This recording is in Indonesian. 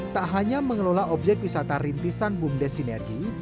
tak hanya mengelola objek wisata rintisan bumdes sinergi